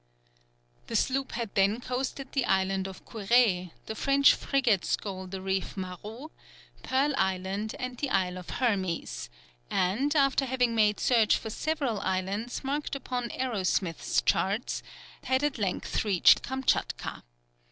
The sloop had then coasted the island of Curè, the French Frigate Shoal the reef Maro, Pearl Island, and the Isle of Hermes; and, after having made search for several islands marked upon Arrowsmith's charts, had at length reached Kamtchatka.